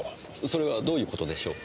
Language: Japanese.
それはどういう事でしょう？